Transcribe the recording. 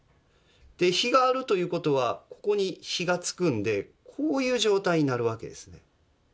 樋があるという事はここに樋がつくんでこういう状態になる訳ですね。